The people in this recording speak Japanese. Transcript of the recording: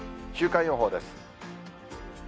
週間予報です。